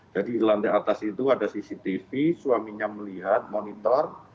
jadi di lantai atas itu ada cctv suaminya melihat monitor